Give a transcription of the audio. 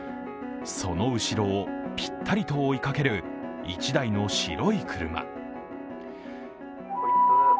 その後ろをぴったりと追いかける１台の白い車。